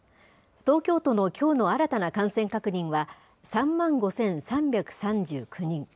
東京都のきょうの新たな感染確認は３万５３３９人。